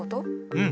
うん。